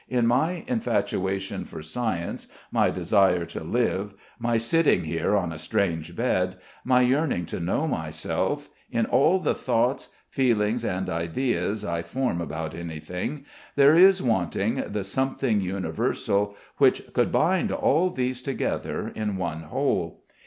In my infatuation for science, my desire to live, my sitting here on a strange bed, my yearning to know myself, in all the thoughts, feelings, and ideas I form about anything, there is wanting the something universal which could bind all these together in one whole.